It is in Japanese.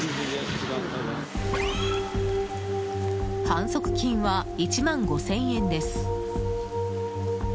反則金は１万５０００円です。